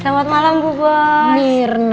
selamat malam ibu boss